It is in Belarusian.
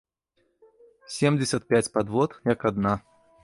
Семдзесят пяць падвод як адна.